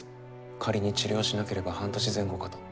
仮に治療しなければ半年前後かと。